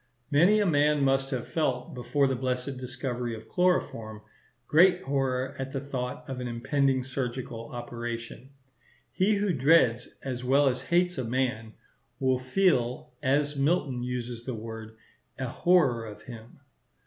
Many a man must have felt, before the blessed discovery of chloroform, great horror at the thought of an impending surgical operation. He who dreads, as well as hates a man, will feel, as Milton uses the word, a horror of him.